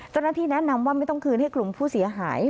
เจ้าหน้าที่แนะนำว่าไม่ต้องคืนให้กลุ่มผู้เสียหาย